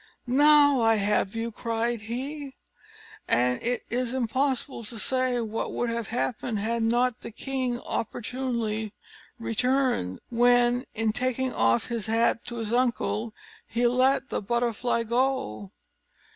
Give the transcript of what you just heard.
"Now I have you!" cried he; and it is impossible to say what would have happened, had not the king opportunely returned; when, in taking off his hat to his uncle, he let the butterfly go.